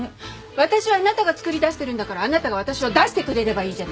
私はあなたがつくり出してるんだからあなたが私を出してくれればいいじゃない。